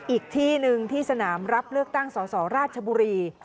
อีกที่หนึ่งที่สนามรับเลือกตั้งสสราชบุรี